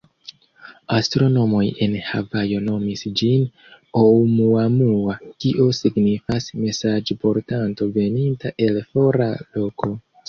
Astronomoj en Havajo nomis ĝin Oumuamua, kio signifas “mesaĝportanto veninta el fora loko”.